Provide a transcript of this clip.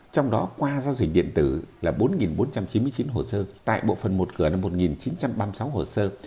trong đó qua giao dịch điện tử là bốn bốn trăm chín mươi chín hồ sơ tại bộ phần một cửa là một chín trăm ba mươi sáu hồ sơ